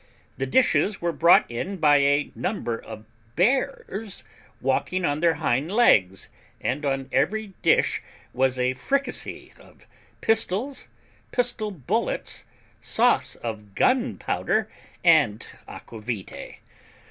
The dishes were brought in by a number of bears walking on their hind legs, and on every dish was a fricassee of pistols, pistol bullets, sauce of gunpowder, and aqua vitæ.